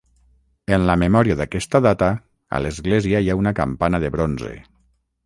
En la memòria d'aquesta data a l'església hi ha una campana de bronze.